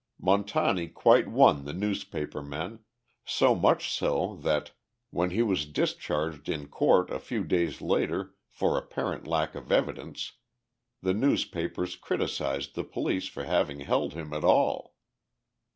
Montani quite won the newspaper men—so much so that, when he was discharged in court a few days later for apparent lack of evidence, the newspapers criticised the police for having held him at all.